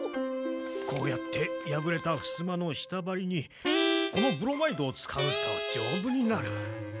こうやってやぶれたフスマの下ばりにこのブロマイドを使うとじょうぶになる。